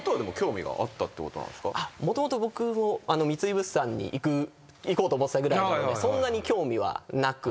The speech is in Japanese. もともと僕三井物産に行こうと思ってたぐらいなのでそんなに興味はなく。